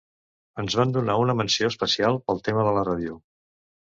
Ens van donar una menció especial pel tema de la ràdio.